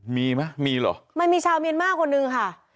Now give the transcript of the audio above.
มีมะมีเหรอมันมีชาวเมียนมากกว่านึงค่ะ